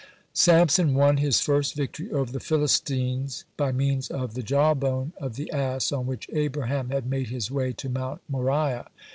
(117) Samson won his first victory over the Philistines by means of the jawbone of the ass on which Abraham had made his way to Mount Moriah.